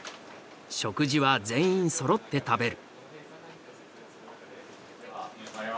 食事は全員そろって食べる。